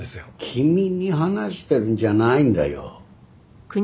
君に話してるんじゃないんだよ。